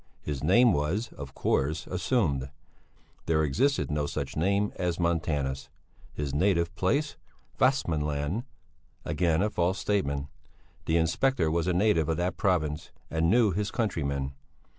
His name was, of course, assumed! There existed no such name as Montanus! His native place? Västmanland! Again a false statement! The inspector was a native of that province and knew his countrymen.